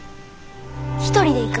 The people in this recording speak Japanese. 一人で行く。